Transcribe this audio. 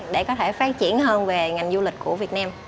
để có thể phát triển hơn về ngành du lịch của việt nam